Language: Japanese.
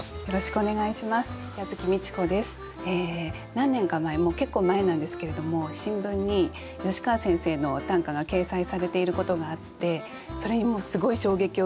何年か前もう結構前なんですけれども新聞に吉川先生の短歌が掲載されていることがあってそれにもうすごい衝撃を受けて。